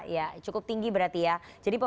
ya cukup tinggi berarti ya